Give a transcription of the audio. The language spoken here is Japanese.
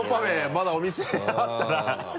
まだお店あったら。